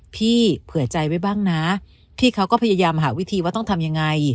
เผื่อใจไว้บ้างนะพี่เขาก็พยายามหาวิธีว่าต้องทำยังไง